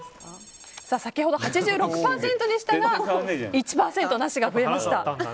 先ほど８６％でしたが１％なしが増えました。